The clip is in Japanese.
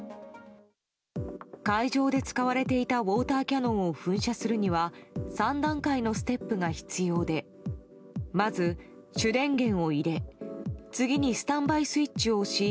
会場で使われていたウォーターキャノンを噴射するには３段階のステップが必要でまず主電源を入れ次にスタンバイスイッチを押し